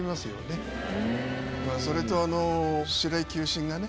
それと。